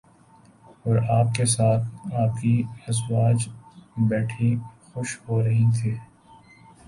اور آپ کے ساتھ آپ کی ازواج بیٹھی خوش ہو رہی تھیں